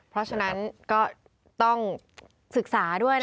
เพราะฉะนั้นก็ต้องศึกษาด้วย